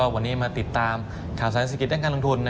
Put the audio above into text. วันนี้มาติดตามข่าวสารเศรษฐกิจด้านการลงทุน